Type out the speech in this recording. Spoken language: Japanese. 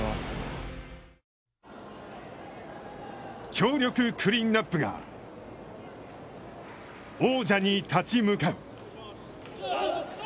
強力クリーンナップが王者に立ち向かう。